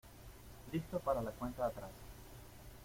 Listos para la cuenta atrás.